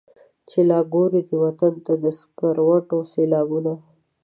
چي لا ګوري دې وطن ته د سکروټو سېلابونه.